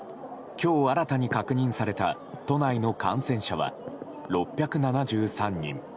今日、新たに確認された都内の感染者は６７３人。